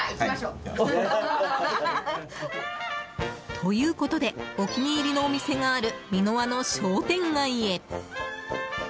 ということでお気に入りのお店がある三ノ輪の商店街へ。